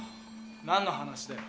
何の話だよ？